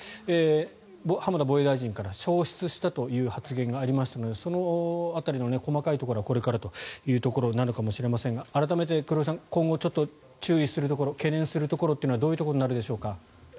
浜田防衛大臣から消失したという発言がありましたがその辺りの細かいところはこれからなのかもしれませんが改めて、黒井さん今後注意するところ懸念するところというのはどういうところになるでしょうか。